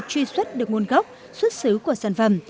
truy xuất được nguồn gốc xuất xứ của sản phẩm